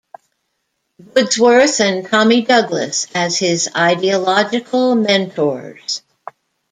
Woodsworth and Tommy Douglas as his ideological mentors.